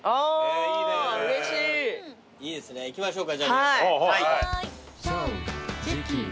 いいですねいきましょうか。